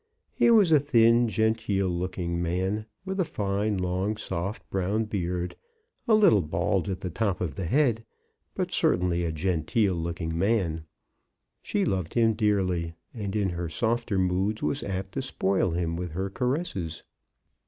He was a thin, genteel looking man, with a fine long soft brown beard, a little bald at the top of the head, but certainly a genteel looking man. She loved him dearly, and in her softer moods was apt to spoil him with her caresses.